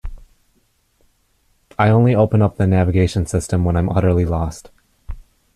I only open up the navigation system when I'm utterly lost.